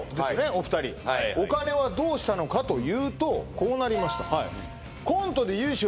お二人はいお金はどうしたのかというとこうなりました